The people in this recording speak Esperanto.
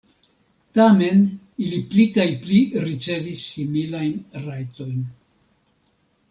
Tamen ili pli kaj pli ricevis similajn rajtojn.